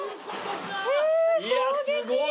いやすごい。